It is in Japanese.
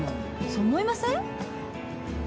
そう思いません？